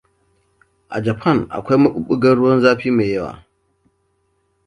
A Japan, akwai maɓuɓɓugan ruwan zafi mai yawa.